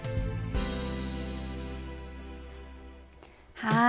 はい！